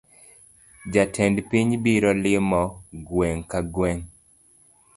Jatend piny biro limo gweng’ ka gweng’